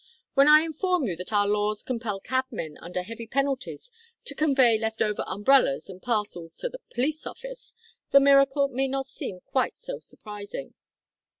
When I inform you that our laws compel cabmen under heavy penalties to convey left umbrellas and parcels to the police office, the miracle may not seem quite so surprising."